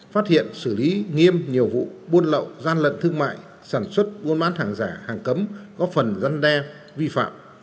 phát hiện xử lý nghiêm nhiều vụ buôn lậu gian lận thương mại sản xuất buôn bán hàng giả hàng cấm góp phần găn đe vi phạm